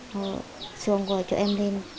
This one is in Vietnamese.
họ xuống gọi cho em lên